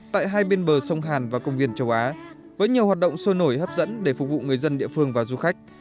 tại hai bên bờ sông hàn và công viên châu á với nhiều hoạt động sôi nổi hấp dẫn để phục vụ người dân địa phương và du khách